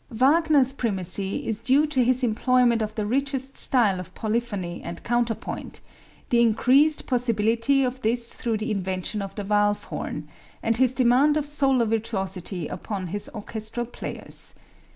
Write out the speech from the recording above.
Wagner's primacy is due to his employment of the richest style of polyphony and counterpoint, the increased possibility of this through the invention of the valve horn, and his demand of solo virtuosity upon his orchestral players.